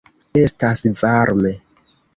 Estas varme.